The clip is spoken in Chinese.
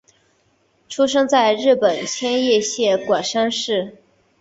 出生在日本千叶县馆山市。